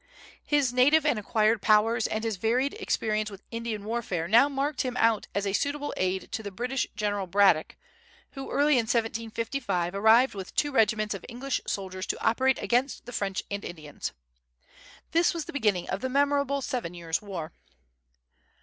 His native and acquired powers and his varied experience in Indian warfare now marked him out as a suitable aide to the British General Braddock, who, early in 1755, arrived with two regiments of English soldiers to operate against the French and Indians. This was the beginning of the memorable Seven Years' War.